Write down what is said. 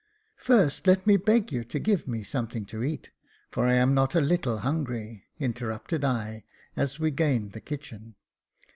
" First let me beg you to give me something to eat, for I am not a little hungry," interrupted I, as we gained the kitchen.